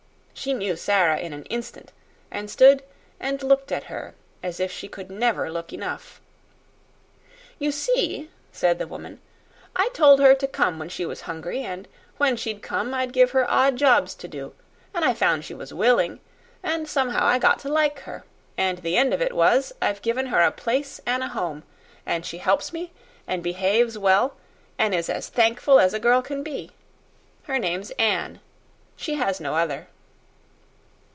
She knew Sara in an instant, and stood and looked at her as if she could never look enough. "You see," said the woman, "I told her to come when she was hungry, and when she'd come I'd give her odd jobs to do; an' I found she was willing, and somehow I got to like her; and the end of it was, I've given her a place an' a home, and she helps me, an' behaves well, an' is as thankful as a girl can be. Her name's Anne. She has no other."